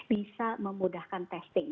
bisa memudahkan testing